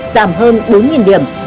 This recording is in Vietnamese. giảm hơn bốn điểm